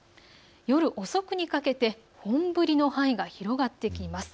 夜遅くにかけて本降りの範囲が広がってきます。